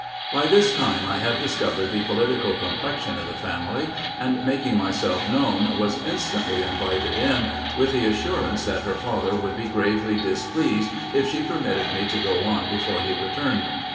By this time I had discovered the political complexion of the family, and, making myself known, was instantly invited in, with the assurance that her father would be gravely displeased if she permitted me to go on before he returned.